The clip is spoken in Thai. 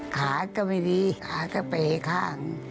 ขาก็ไม่ดีขาก็เปย์ข้าง